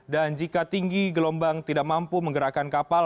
dan jika tinggi gelombang tidak mampu menggerakkan kapal